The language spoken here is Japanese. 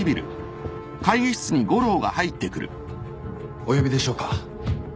お呼びでしょうか？